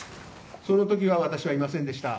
その時は私はいませんでした。